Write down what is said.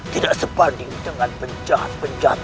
tidak sebanding dengan penjahat penjahat